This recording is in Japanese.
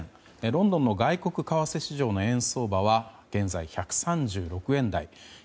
ロンドンの外国為替市場の円相場は現在１３６円台。